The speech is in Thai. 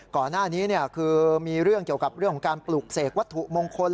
ก่อนหน้านี้คือมีเรื่องเกี่ยวกับเรื่องของการปลูกเสกวัตถุมงคล